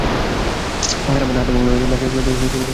কারামত হাত ভাঙলেও বাকি খেলোয়াড়দের চোট অবশ্য খুব গুরুতর কিছু নয়।